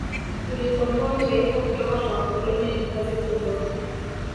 kulikomboa taifa kutoka kwa wakoloni ni kazi kubwa